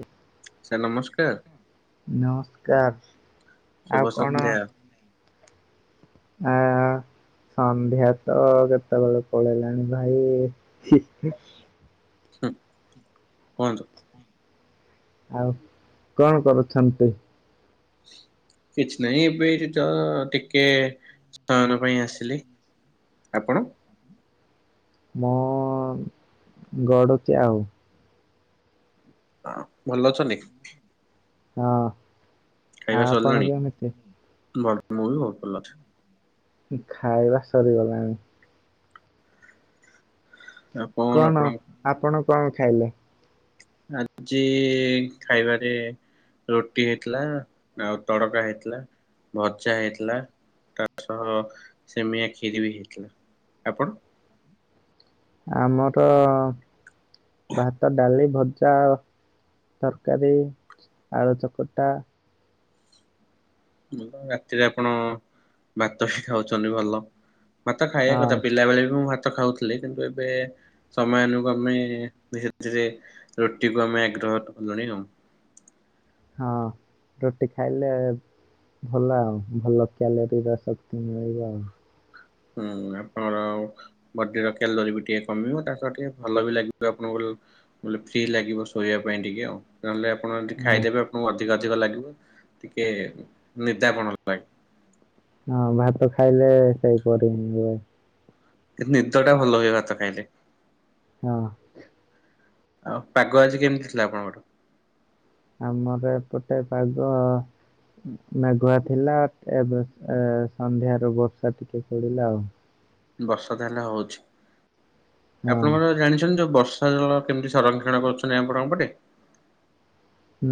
ଉ ଇ ସାର୍ ନମସ୍କାର ନମସ୍କାର। ଆଉ କଣ ଶୁଭସନ୍ଧ୍ୟା। ଆ। ସନ୍ଧ୍ୟା ତ କେତେବେଳୁ ପଳେଇଲାଣି ଭାଇ ହି ହିଁ। ହୁଁ କୁହନ୍ତୁ। ଆଉ କଣ କରୁଛନ୍ତି? ହ [inaudible] କିଛି ନାହିଁ ଏବେ ଏଠି ତ ଟିକେ ସହାନ ପାଇଁ ଆସିଲି । ଆପଣ। ମୁଁ ଗଡ଼ୁଚି ଆଉ। ହଁ ଭଲ ଅଛନ୍ତି? ହଁ। ଖାଇବା ଆପଣ ସରିଲାଣି? କେମିତି? ଭଲ ମୁଁ ବି ବହୁତ୍ ଭଲ ଅଛି । ଉଁ ଖାଇବା ସରିଗଲାଣି। ଆଉ କଣ ଆପଣ? ଆପଣ କଣ ଖାଇଲେ? ଆଜି ଖାଇବାରେ। ରୁଟି ହେଇଥିଲା ଆଉ ତଡକା ହେଇଥିଲା ଭଜା ହେଇଥିଲା। ତା ସହ ସେମିଆ କ୍ଷିରି ବି ହେଇଥିଲା। ଆପଣ? ଆମର ଭାତ, ଡାଲି, ଭଜା ଆଉ। ତରକାରୀ, ଆଳୁ ଚକଟା। ମୁଁ ତ ରାତିରେ ଆପଣ ଭାତ ହିଁ ଖାଉଚ଼ନ୍ତି ଭଲ। ଭାତ ଖାଇଆ ହଁ କଥା ପିଲାବେଳେ ବି ମୁଁ ଭା ଭାତ ଖାଉଥିଲେ କିନ୍ତୁ ଏବେ ସମୟାନୁକ୍ରମେ ଧୀରେ ଧୀରେ ରୁଟିକୁ ଆମେ ଆଗ୍ର ରଟ କଲଣି ଆଉ। ହଁ ରୁଟି ଖାଇଲେ। ଭଲ ଆଉ ଭଲ କ୍ୟାଲେରୀର ଶକ୍ତି ମିଳିବ ଆଉ। ହୁଁ ଆପଣଙ୍କର ବଡିର କ୍ୟାଲୋରୀ ବି ଟିକେ କମିବ ତା ସହ ଟିକେ ଭଲ ବି ଲାଗିବ ଆପଣଙ୍କୁ। ଙ୍କୁ ଫ୍ରି ଲାଗିବ ଶୋଇବା ପାଇଁ ଟିକେ ଆଉ ନହେଲେ ଆପ ଆପଣ ଯଦି ହଁ। ଖାଇଦେବେ ଆପଣଙ୍କୁ ଅଧିକ ଅଧିକ ଲାଗିବ ଟିକେ ନିଦା ପଣ ଲାଗେ। ହଁ ଭାତ ଖାଇଲେ ସେଇପରି ହିଁ ହୁଏ। ନିଦ ଟା ଭଲ ହୁଏ ଭାତ ଖାଇଲେ। ହଁ। ଆଉ ପାଗ ଆଜି କେମିତି ଥିଲା ଆପଣଙ୍କର? ଆମର ଏପଟେ ପାଗ ମେଘୁଆ ଥିଲା ଏବେ ଏ ସନ୍ଧ୍ୟାରୁ ବର୍ଷା ଟିକେ ପଡିଲା ଆଉ। ବର୍ଷା ତା ହେଲେ ହଉଚି ଆପଣ ହଁ। କଣ ଜାଣିଛନ୍ତି ଯୋଉ ବ ବର୍ଷା ଜଳ କେମିତି ସଂରକ୍ଷଣ କରୁଚନ୍ତି ଆପଣଙ୍କ ପଟେ?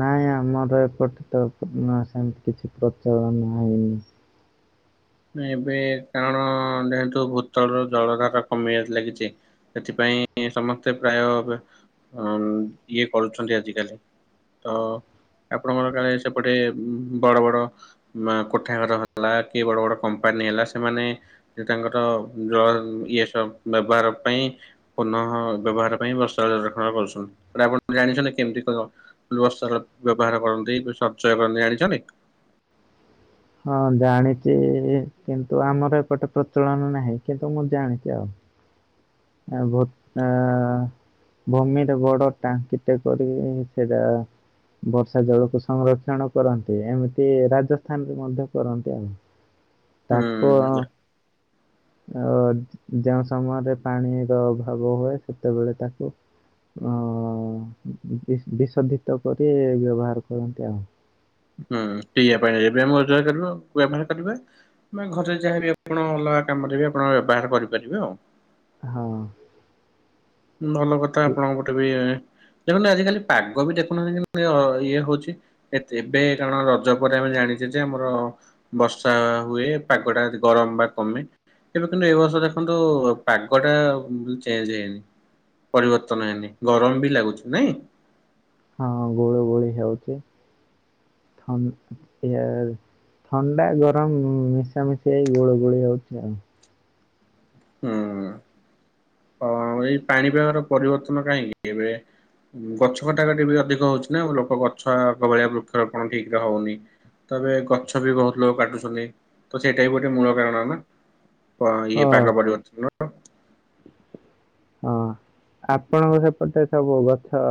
ନାଇଁ ଆମର ଏପଟେ ତ ମ ସେମିତି କିଛି ପ୍ରଚଳନ ନାହିଁ। ଏବେ କାରଣ ଯେହେତୁ ଭୂତଳରୁ ଜଳ ଧାରା କମିବାରେ ଲାଗିଛି ସେଥିପାଇଁ ପାଇଁ ସମସ୍ତେ ପ୍ରାୟ ଅ ଇଏ କରୁଚନ୍ତି ଆଜିକାଲି। ତ ଆପଣଙ୍କର କାଳେ ସେପଟେ ମ ବଡ ବଡ ମ କୋଠା ଘର ହେଲା କି ବଡ ବଡ କମ୍ପାନୀ ହେଲା ସେମାନେ ତାଙ୍କର ଜଳ ଇଏ ସବୁ ବ୍ୟବହାର ପାଇଁ କ ପୁନଃ ବ୍ୟବହାର ପାଇଁ ବର୍ଷା ଜଳ ସଂରକ୍ଷଣ କରୁଛନ୍ତି ଆପଣ ଜାଣିଛନ୍ତି କେମିତି କଣ ବର୍ଷା ବ୍ୟବହାର କରନ୍ତି ସଂଚୟ କରନ୍ତି ଜାଣିଛନ୍ତି? ହଁ ଜାଣିଚି କିନ୍ତୁ ଆମର ଏପଟେ ପ୍ରଚଳନ ନାହିଁ କିନ୍ତୁ ମୁଁ ଜାଣିଚି ଆଉ। ଆ ବର୍ଷା ଆ ଭୂମିରେ ବଡ ଟାଙ୍କିଟେ କରିକି ସେଇଟା ବର୍ଷା ଜଳକୁ ସଂରକ୍ଷଣ କରନ୍ତି ଏମିତି ରାଜସ୍ଥାନ ମଧ୍ୟ କରନ୍ତି ଆଉ ତାକୁ ହୁଁ ଆଉ ଯେଉଁ ସମୟରେ ପାଣିର ଅଭାବ ହୁଏ ସେତେବେଳେ ତାକୁ ଅ ବି ବିଶୋଧିତ କରି ବ୍ୟବହାର କରନ୍ତି ଆଉ। ହୁଁ ପିଇବା ପାଇଁ ଏବେ ମ ଯୋଉ କରିବା ବ୍ୟବହାର କରିବେ ବା ଘରେ ଯାହାବି ଆପଣ ଅଲଗା କାମରେ ବି ଆପଣ ବ୍ୟବହାର କରିପାରିବେ ଆଉ। ହଁ। ଭଲ କଥା ଆପଣଙ୍କ ପଟେ ବି ଦେଖନ୍ତୁ ଆଜିିକାଲି ପାଗ ବି ଦେଖୁନାହାନ୍ତି କି ଇଏ ହଉଛି ଏବେ କାରଣ ରଜ ପରେ ଆ ଜାଣିଚେ ଯେ ଆମର ବର୍ଷା ହୁଏ ପାଗ ଟା ଗରମ ବା କମେ। ଏବେ କିନ୍ତୁ ଏ ବର୍ଷ ଦେଖନ୍ତୁ ପାଗ ଟା ଚେଞ୍ଜ ହେଇନି। ପରିବର୍ତ୍ତନ ହେଇନି ଗରମ ବି ଲାଗୁଚି ନାଇଁ? ହଁ ଗୁଳୁ ଗୁଳି ହେଉଚି ଥ ଇଏ ଥଣ୍ଡା ଗରମ ମିଶାମିଶି ହେଇ ଗୁଳୁ ଗୁଳି ହଉଚି ଆଉ। ହୁଁ ଅ ଏଇ ପାଣିପାଗର ପରିବର୍ତ୍ତନ କାହିଁକି ଏବେ ଗଛ କଟାକଟି ବି ଅଧିକ ହଉଚି ନା ଲୋକ ଗଛ ଆଗ ଭଳିଆ ବୃକ୍ଷରୋପଣ ଠିକ ରେ ହଉନି। ତବେ ଗଛ ବି ବହୁତ ଲୋକ କାଟୁଛନ୍ତି ତ ସେଇଟା ବି ଗୋଟେ ମୂଳ କାରଣ ନା। ପ ଏ ହଁ ପାଗ ପରିବର୍ତ୍ତନର। ହଁ ଆପଣଙ୍କ ସେପଟେ ସବୁ ଗଛ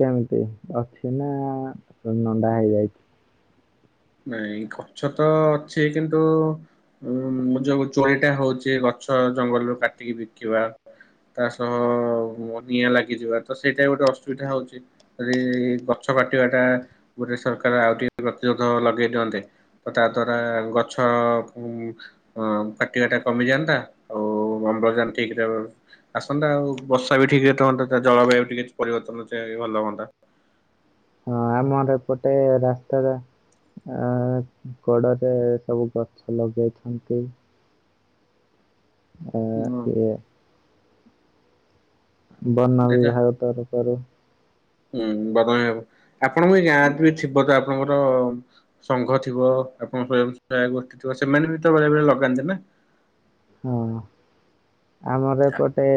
କେମିତି ଅଛି ନା ନଣ୍ଡା ହେଇଯାଇଚି। ନାଇଁ ଗଛ ତ ଅଛି କିନ୍ତୁ ଉ ଯୋଉ ଚୋରିଟା ହଉଛି ଗ ଛ ଜଙ୍ଗଲରୁୁ କାଟିକି ବିକିବା ତା ସହ ନିଆଁ ଲାଗିଯିବା ତ ସେଇଟା ଗୋଟେ ଅସୁବିଧା ହଉଛି ଯଦି ଗଛ କାଟିବାଟା ଗୋଟେ ସରକାର ଆଉ ଟିକେ ପ୍ରତିରୋ ଲଗେଇ ଦିଅନ୍ତେ ତ ତା ଦ୍ଵାରା ଗଛ ଉ କାଟିବା ଟା କମିଯା ନ୍ତା ଆଉ ଅମ୍ଳଜାନ ଠିକ୍ ରେ ଅ ଆସନ୍ତା ଆଉ ବର୍ଷା ବି ଠିକ ରେ ଥାଅନ୍ତା ତା ଜଳବାୟୁ ଟିକେ ହିସ୍ ପରିବର୍ତ୍ତନ ଚା‌ହିଲେ ଭଲ ହୁଆନ୍ତା । ହଁ ଆମର ଏପଟେ ରାସ୍ତାରେ ଆ କଡରେ ସବୁ ଗଛ ଲଗେଇଛନ୍ତି । ଆ ହୁଁ କିଏ ବନ ଦେଖା ବିଭାଗ ତରଫରୁ ହୁଁ ବଦମ ହବ ଆପଣଙ୍କ ଏଇ ଗାଁରେ ବେ ଥିବ ତ ଆପଣଙ୍କର ସଙ୍ଘ ଥିବ । ଆପଣଙ୍କ ସ୍ଵୟଂ ସହାୟକ ଗୋଷ୍ଠୀ ଥିବ ସେମାନେ ବି ତ ବେଳେବେଳେ ଲଗାନ୍ତି ନା । ହଁ ଆମର ଏପଟେ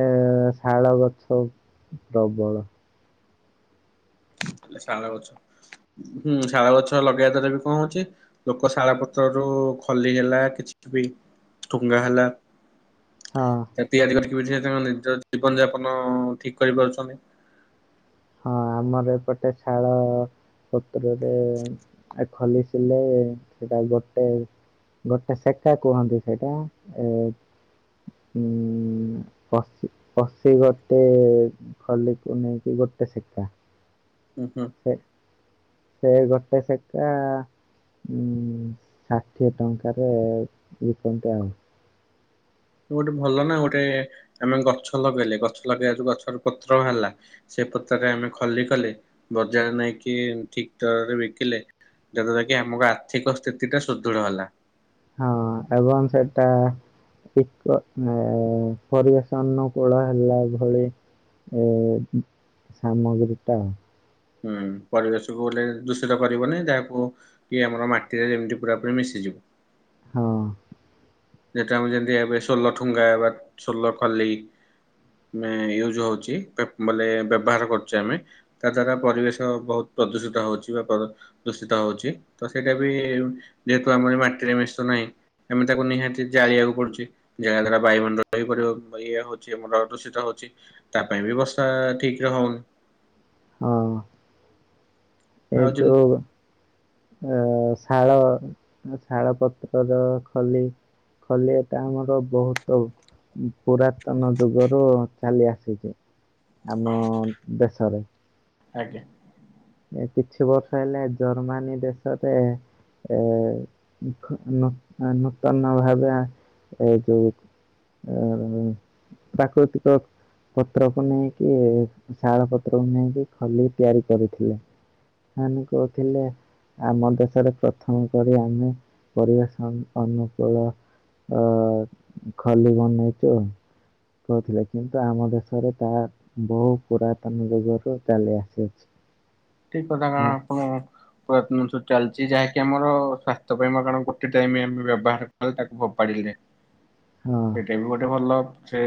ଏ ଶାଳ ଗଛ ପ୍ରବଳ। ହେଲେ ଶାଳ ଗଛ ହୁଁ ଶାଳ ଗଛ ଲଗେଇବା ଦ୍ଵାରା ବି କଣ ହଉଛି ଲୋକ ଶାଳ ପତ୍ର ରୁ ଖଲି ହେଲା କିଛି ବି ଟୁଙ୍ଗା ହେଲା । ହଁ ତା ତିଆରି କରି ବୁଝିବା ଚାହୁଛନ୍ତି ନିଜ ଜୀବନ ଯାପନ ଠିକ କରିପାରୁଛନ୍ତି । ହଁ ଆମର ଏପଟେ ଶାଳ ପତ୍ରରେ ଖଲି ସିଲେଇ ସେଟା ଗୋଟେ ଗୋଟେ ସେକା କୁହନ୍ତିୁ ସେଇଟା ଏ ଉ ପଶି ପଶି ଗୋଟେ ଖଲିକୁ ନେଇକି ଗୋ ଗୋଟେ ଶେକା ‌। ହୁଁ ହୁଁ । ସେ ଗୋଟେ ସେକା ଉଁ ଷାଠିଏ ଟଙ୍କାରେ ଇ ଛନ୍ତି ଆଉ । ଗୋଟେ ଭଲ ନା ଗୋଟେ ଆମେ ଗଛ ଲଗେଇଲେ ଗଛ ଲଗେଇବାରୁ ଗଛରୁ ପତ୍ର ବାହାରିଲା ସେ ଏପତରେ ଆମେ ଖଲି କଲେ ବଜାର ନେଇକି ଠିକ ଦରରେ ବିକିଲେ ଯା ଦ୍ବାରା କି ଆମ ଆର୍ଥିକ ସ୍ଥିତି ଟା ସୁଦୃଢ ହେଲା । ହଁ ଏବଂ ସେଟା ଠିକ ପରିବେଶ ଅନୁକୂଳ ହେଲା ଭଳି ଏ ସାମଗ୍ରୀଟା ହୁଁ । ପରିବେଶକୁ ଗଲେ ଦୂଷିତ କରିବନି ଯାହାକୁ କି ଆମର ମାଟିରେ ଯେମତି ପୁରା ପୁରି ମିଶିଯିବ । ହଁ । ଯେତ ଆମେ ଯେମିତି ଏବେ ଷୋଲ ଠୁଙ୍ଗା ବା ଷୋଲ ଖାଲି । ମାନେ ୟୁଜ ହଉଛି ବୋଲେ ବ୍ୟବହାର କରୁଛେ ଆମେ ତା ଦ୍ଵାରା ପରିବେଶ ବହୁତ ପ୍ରଦୂଷିତ ହଉଛି ବା ଦୂଷିତ ହଉଛି ତ ସେଇଟା ବି ଯେହେତୁ ଆମର ମାଟିରେ ମିଶ ନାହିଁ ଏମି ତାକୁ ନିହାତି । ଜାଳିବାକୁ ପଡୁଛି ଯାହାଦ୍ୱରା ବାୟୁମଣ୍ଡ ବି ଇଏ ହଉଛି ଆମର ଦୂଷିତ ହଉଛି ତା ପାଇଁ ବ୍ୟବସ୍ଥା ଠିକ ରେ ହଉନି। ହଁ ଏଇ ଆଉ ଯେମିତି ଯଉ ଅ ଶାଳ ଶାଳ ପତ୍ରର ଖଲି । ଖଲି ଏବେ ଆମର ବହୁତ ପୁରାତନ ଯୁଗରୁ ଚାଲି ଆସିଛି। ଆମ ଦେଶରେ। ଆଜ୍ଞା। ଏ କିଛି ବର୍ଷ ହେଲେ ଜର୍ମାନୀ ଦେଶରେ ଏ ନୂତନ ଭାବେ ଏ ଯୋଉ ଆ ପ୍ରାକୃତିକ ପତ୍ରକୁ ନେଇକି ଶାଳ ପତ୍ରକୁ ନେଇକି ଖଲି ତିଆରି କରିଥିଲେ। ହାନି କହୁଥିଲେ । ଆମ ଦେଶରେ ପ୍ରଥମ କରି ଆମେ କରିବେଷ ଅନୁକୂଳ । ଆ ଖାଲି ବନେଇଚୁ । କହୁଥିଲେ କିନ୍ତୁ ଆମ ଦେଶରେ ତାହା ବହୁ ପୁରାତନ ଯୁଗରୁ ଚାଲି ଆସିଅଛି। ଠିକ କଥା ହଁ କାରଣ ଆପଣ ପ୍ରଆକନୁନସ୍ ଚାଲିଚି ଯାହାକି ଆମର ସ୍ଵାସ୍ଥ୍ୟ ପାଇଁ [unintelligible] ଗୋଟେ ଟାଇମ୍ ଆମେ ବ୍ୟବହାର କର ତାକୁ ଫୋପାଡି ଲେ ହଁ ସେଇଟା ବି ଗୋଟେ ଭଲ। ସେ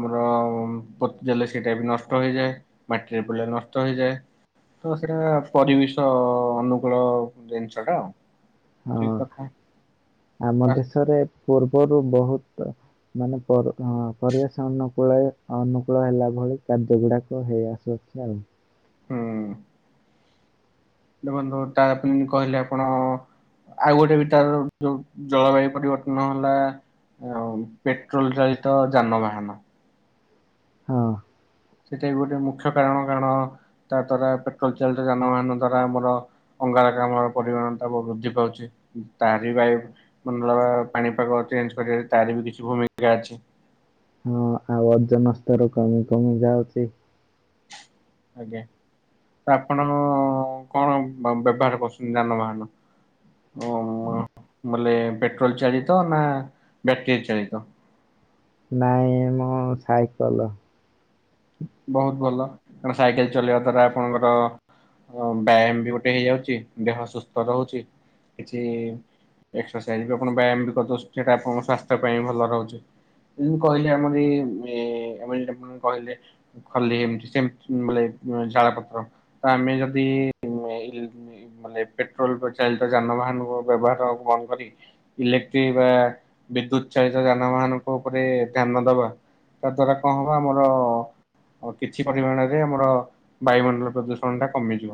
ଆମର ପୋତଜାଲେ ସେଇଟା ବି ନଷ୍ଟ ହେଇଯାଏ। ମାଟିରେ ପଡିଲେ ନଷ୍ଟ ହେଇଯାଏ। ତ ସେଇଟା ପରିବେଶ ଅନୁକୂଳ ଜିନିଷ ଟା ଆଉ। ହଁ ଠିକ କଥା। ଆମ ତା ଦେଶରେ ପୂର୍ବରୁ ବହୁତ ମାନେ ପର ହଁ ପରିବେଶ ଅନୁକୂଳ ଅନୁକୂଳ ହେଲା ଭ ଭଳି କାର୍ଯ୍ଯ ଗୁଡାକ ହେଇ ଆସୁ ଅଛି ଆଉ। ହଁ। ଦେଖନ୍ତୁ ତା ପୁଣି କହିଲେ ଆପଣ ଆଉ ଗୋଟେ ଭି ଟାର ଯୋଉ ଜଳବାୟୁ ପରିବର୍ତ୍ତନ ହେଲା। ଅନ୍ ପେଟ୍ରୋଲ୍ ଚାଳିତ ଯାନବାହନ। ହଁ। ସେଟା ବି ଗୋଟେ ମୁଖ୍ୟ କାରଣ କାରଣ ତା ଦ୍ଵାରା ପେଟ୍ରୋଲ୍ ଚାଳିତ ଯାନବାହାନ ଦ୍ଵାରା ଆମର ଅ [unintelligible] କାମ ପରିମାଣ ତା ବ-ବୃଦ୍ଧି ପାଉଛି। ତାରି ବାୟୁ ମଣ୍ଡଳର ପାଣିପାଗ ଚେଞ୍ଜ ଶରୀରର ତାର ବି କିଛି ଭୂମିକା ଅଛି। ହଁ ଆଉ ଓଜନ ସ୍ତର କମି କମି ଯାଉଛି। ଆଜ୍ଞା। ତ ଆପଣ କଣ ବ-ବ୍ୟବହାର କରୁଛନ୍ତି ଯାନବାହାନ? ଉଁ, ବୋଲେ ପେଟ୍ରୋଲ୍ ଚାଳିତ ନା ବ୍ୟାଟରୀ ଚାଳିତ? ନାଇଁ ମୁଁ ସାଇକଲ। ବହୁତ ଭଲ କଣ ସାଇକେଲ ଚଲେଇବା ଦ୍ଵାରା ଆପଣଙ୍କର ଅ, ବ୍ୟାୟାମ ବି ଗୋଟେ ହେଇଯାଉଚି। ଦେହ ସୁସ୍ଥ ରହୁଛି। କିଛି ଏକ୍ସସାଇଜ ବି ଆପଣ ବ୍ୟାୟାମ ବି କରିଦଉ ସେଟା ଆପଣଙ୍କ ସ୍ଵାସ୍ଥ୍ୟ ପାଇଁ ଭଲ ରହୁଛି। ଇଁ କହିଲେ ଆମରି ଏ ଆମ ଏଟା କଣ କହିଲେ? ଖଲି ଏମତି ସେମ ବୋଲେ ଅଁ, ଜାଳପତ୍ର ତ ଆମେ ଯଦି ଏଇ ବେ ନେଇବୁ ମାନେ ପେଟ୍ରୋଲ୍ ପ-ଚାଳିତ ଯାନବାହାନ କୁ ବ୍ୟବହାର ସବୁ ବନ୍ଦ କରି। ଇଲେକ୍ଟ୍ରିକ୍ ବା ବି ବିଦ୍ୟୁତ ଚାଳିତ ଯାନବାହାନଙ୍କ ଉପରେ ଧ୍ୟାନ ଦବା ତା ଦ୍ଵାରା କଣ ହବ ଆମର ଆଉ କିଛି ପରିମାଣରେ ଆମର ବାୟୁମଣ୍ଡଳ ପ୍ରଦୂଷଣଟା କମିଯିବ।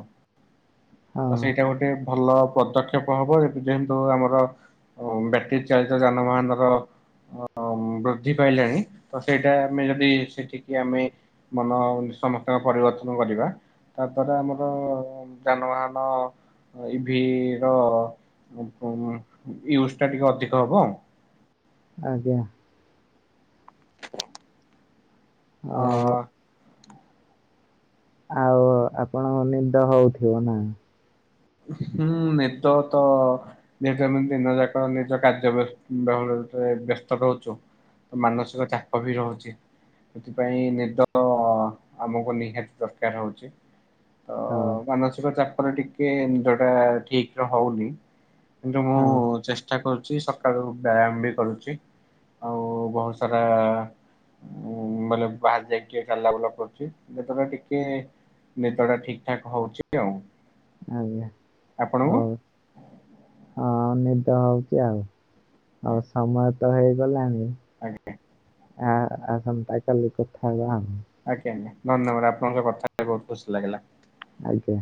ହଁ ତ ସେଇଟା ଗୋଟେ ଭଲ ପଦକ୍ଷେପ ହବ। ଯେହେତୁ ଆମର ଅ, ବ୍ୟାଟରୀ ଚାଳିତ ଯାନ ବାହାନର ଅ, ଉଁ, ବୃଦ୍ଧି ପାଇଲାଣି ତ ସେଇଟା ଆମେ ଯଦି ସେଠିକି ଆମେ ମନ ସମସ୍ତଙ୍କ ପରିବର୍ତ୍ତନ କରିବା। ତାପରେ ଆମର ଯାନବାହାନ ଇଭି ର ଅପ-ଉଁ, ୟୁଜ୍ ଟା ଟିକେ ଅଧିକ ହବ। ଆଜ୍ଞା। ଅ ଆଉ ବ ଆଉ ଆପଣଙ୍କ ନିଦ ହଉଥିବ ନା? ହୁଁ, ନିଦ ତ ଯେହେତୁ ଆମେ ଦିନ ଯାକ ନିଜ କାର୍ଯ୍ୟବ୍ୟ ବେହଳ ଭିତ ଏ ବ୍ୟସ୍ତ ରହୁଛୁ। ତ ମାନସିକ ଚାପ ବି ରହୁଚି। ଏଥିପାଇଁ ନିଦ ଆମକୁ ନିହାତି ଦରକାର ହଉଛି। ତ ହଁ ମାନସିକ ଚାପରେ ଟିକେ ନିଦଟା ଠିକ ରେ ହଉନି। କିନ୍ତୁ ମୁଁ ହଁ ଚେଷ୍ଟା କରୁଛି ସକାଳୁ ବ୍ୟାୟାମ ବି କରୁଚି। ଆଉ ବହୁତ ସାରା ଉ, ବୋଲେ ବାହାରେ ଯାଇକି ଏ ଚାଲା ବୁଲା କରୁଛି। ଯେ ତେବେ ଟିକେ ନିଦଟା ଠିକ ଠାକ ହଉଛି ଆଉ। ଆଜ୍ଞା ଆପଣଙ୍କୁ? ହଉ। ହଁ ନିଦ ଆଉଚି ଆଉ ଆଉ ସମୟ ତ ହେଇଗଲାଣି ଆଜ୍ଞା ଆ ଆସନ୍ତାକାଲି କଥା ହବା। ଆଜ୍ଞା ଆଜ୍ଞା ଧନ୍ୟବାଦ ଆପଣଙ୍କ ସହ କଥା ହେଇ ବୋହୁତ ଖୁସି ଲାଗି ଆଜ୍ଞା।